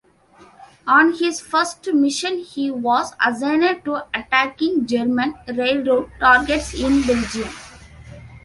On his first mission he was assigned to attacking German railroad targets in Belgium.